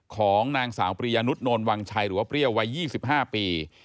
ของนางสาวปริยานุษโนนวังชัยหรือว่าเปรี้ยววัย๒๕ปี